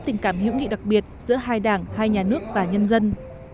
tình cảm hữu nghị đặc biệt giữa hai đảng hai nhà nước và nhân dân